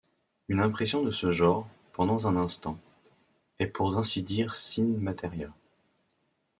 Une impression de ce genre, pendant un instant, est pour ainsi dire sine materia.